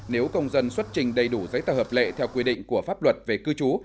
nếu công dân xuất trình đầy đủ giấy tờ hợp lệ theo quy định của pháp luật về cư trú